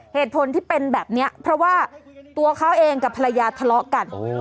เหตุผลที่เป็นแบบนี้เพราะว่าตัวเขาเองกับภรรยาทะเลาะกัน